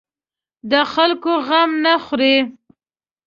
د خلکو غم نه خوري.